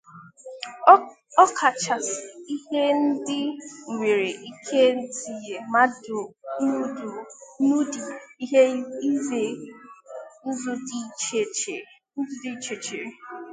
ọkachasị ihe ndị nwere ike itinye mmadụ n'ụdị ihe izè ndụ dị iche iche